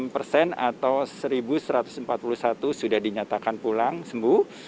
enam persen atau satu satu ratus empat puluh satu sudah dinyatakan pulang sembuh